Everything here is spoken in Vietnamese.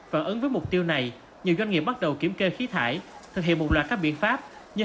phản ứng với mục tiêu này nhiều doanh nghiệp bắt đầu kiểm kê khí thải thực hiện một loạt các biện pháp như